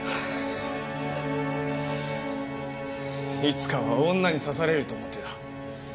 いつかは女に刺されると思ってた。